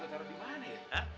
ada ga tau dimana ya